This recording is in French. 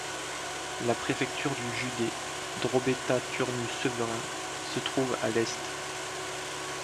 La préfecture du județ, Drobeta Turnu-Severin se trouve à l'est.